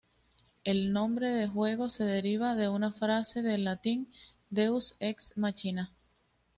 El nombre del juego se deriva de una frase del latín, "deus ex machina".